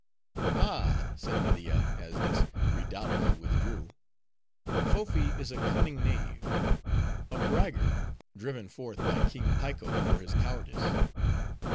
"Ah," said Media as this redoubtable withdrew, Fofi is a cunning knave; a braggart, driven forth, by King Piko for his cowardice.